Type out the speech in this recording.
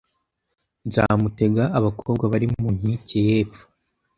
Nzamutega abakobwa bari mu nkike y'epfo